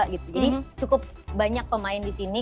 jadi cukup banyak pemain di sini